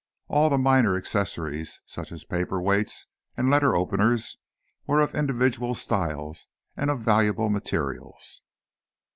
All the minor accessories, such as paperweights and letter openers were of individual styles and of valuable materials.